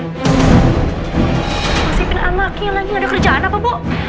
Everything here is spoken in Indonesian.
masih pinaan makin lagi gak ada kerjaan apa bu